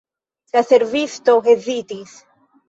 La servisto hezitis.